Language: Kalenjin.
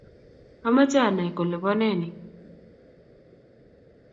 amache anay kole boo nee ni?